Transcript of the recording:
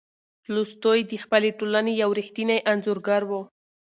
تولستوی د خپلې ټولنې یو ریښتینی انځورګر و.